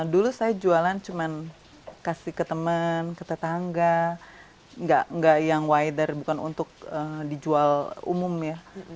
dulu saya jualan cuma kasih ke teman ke tetangga nggak yang wider bukan untuk dijual umum ya